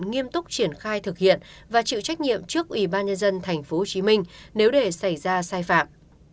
nghiêm túc triển khai thực hiện và chịu trách nhiệm trước ubnd tp hồ chí minh nếu để xảy ra sai phạm